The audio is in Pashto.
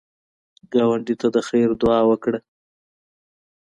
ګاونډي ته د خیر دعا وکړه